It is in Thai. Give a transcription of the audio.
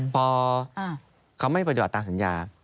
พอเขาไม่ประโยชน์ตามสัญญา